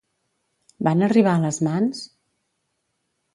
Van arribar a les mans?